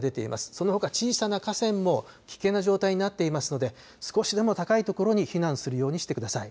そのほか小さな河川も危険な状態になっていますので、少しでも高い所に避難するようにしてください。